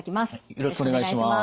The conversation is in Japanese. よろしくお願いします。